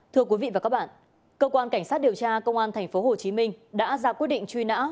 thưa quý vị và các bạn cơ quan cảnh sát điều tra công an tp hcm đã ra quyết định truy nã